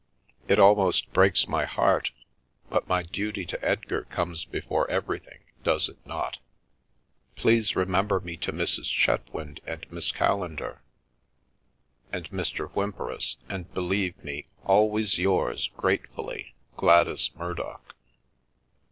It almost breaks my heart, but my duty to Edgar comes before everything, does it not? Please re The Milky Way member me to Mrs. Chetwynd and Miss Callendar, and Mr. Whymperis, and believe me, always yours gratefully, " Gladys Murdock."